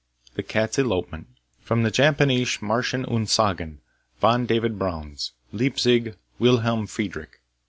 The Cat's Elopement [From the Japanische Marchen und Sagen, von David Brauns (Leipzig: Wilhelm Friedrich).